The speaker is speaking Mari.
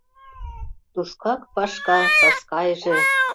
Тушкак вашка Саскайже.